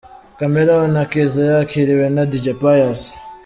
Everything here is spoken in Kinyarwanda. Chameleone akiza yakiriwe na Dj Pius.